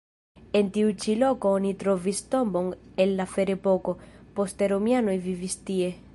En tiu ĉi loko oni trovis tombon el la ferepoko, poste romianoj vivis tie.